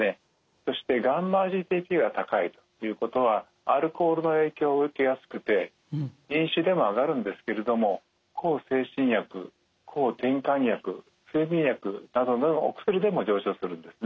そしてγ−ＧＴＰが高いということはアルコールの影響を受けやすくて飲酒でも上がるんですけれども向精神薬抗てんかん薬睡眠薬などのお薬でも上昇するんですね。